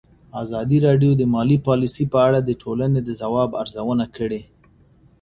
ازادي راډیو د مالي پالیسي په اړه د ټولنې د ځواب ارزونه کړې.